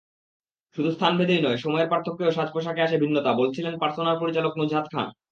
শুধু স্থানভেদেই নয়, সময়ের পার্থক্যেও সাজপোশাকে আসে ভিন্নতা—বলছিলেন পারসোনার পরিচালক নুজহাত খান।